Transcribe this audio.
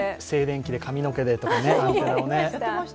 静電気で、髪の毛でとかね。